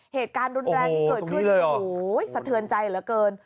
เหตุการณ์รุนแรงที่เกิดขึ้นโอ้โหสะเทือนใจเหลือเกิน